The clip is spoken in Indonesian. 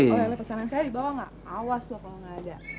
oleh oleh pesanan saya di bawah nggak awas loh kalau nggak ada